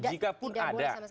jika pun ada